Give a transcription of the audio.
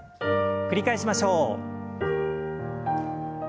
繰り返しましょう。